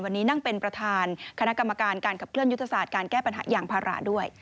วันนี้นั่งเป็นประธานคณะกรรมการการขับเคลื่อยุทธศาสตร์การแก้ปัญหายางพาราด้วย